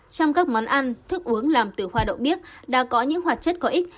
trong các món ăn thức uống làm từ hoa đậu điếc đã có những hoạt chất có ích